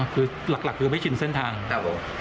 อ๋อคือหลักหลักคือไม่ชินเส้นทางครับผม